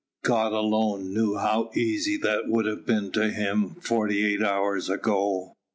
God alone knew how easy that would have been to him forty eight hours ago.